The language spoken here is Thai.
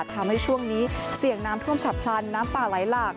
ทำให้ช่วงนี้เสี่ยงน้ำท่วมฉับพลันน้ำป่าไหลหลาก